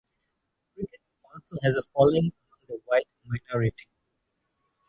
Cricket also has a following among the white minority.